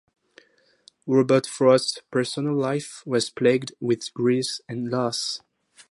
Robert Frost's personal life was plagued with grief and loss.